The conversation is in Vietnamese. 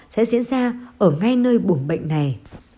sẽ diễn ra ở ngay nơi buồn bệnh này